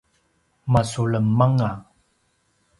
masulem anga